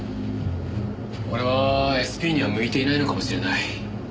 俺はＳＰには向いていないのかもしれない。